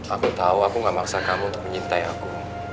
aku tahu aku gak maksa kamu untuk mencintai aku